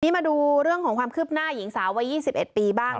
มาดูเรื่องของความคืบหน้าหญิงสาววัย๒๑ปีบ้าง